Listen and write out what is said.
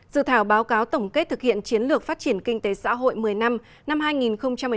dự thảo báo cáo tổng kết thực hiện chiến lược phát triển kinh tế xã hội một mươi năm năm hai nghìn một mươi một hai nghìn hai mươi